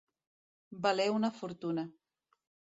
Valer una fortuna.